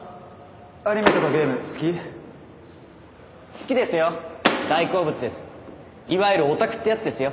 好きですよ。